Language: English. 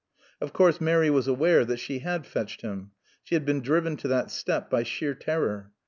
Of course Mary was aware that she had fetched him. She had been driven to that step by sheer terror.